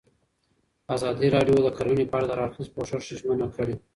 ازادي راډیو د کرهنه په اړه د هر اړخیز پوښښ ژمنه کړې.